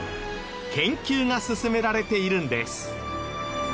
研究が進められているんです。